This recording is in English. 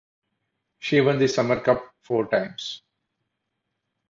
Shea won the Summer Cup four times.